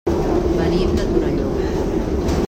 Venim de Torelló.